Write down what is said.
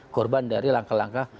korban dari langkah langkah